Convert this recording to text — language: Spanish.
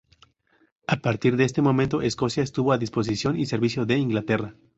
A partir de este momento Escocia estuvo a disposición y servicio de Inglaterra.